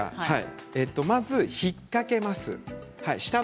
まず引っ掛けます。